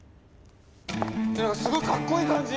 何かすごいかっこいい感じ。